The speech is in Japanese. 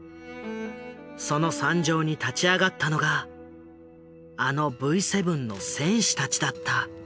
その惨状に立ち上がったのがあのＶ７の戦士たちだった。